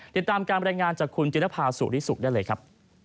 ติดตามการบรรยายงานจากคุณจิรภาสุริสุขได้เลยครับ